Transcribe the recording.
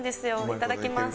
いただきます。